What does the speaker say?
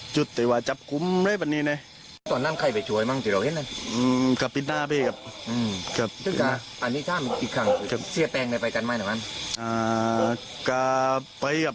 ก็ไปกับมันไม่ปิดหน้าก่อนดี๊ว่านดีครับ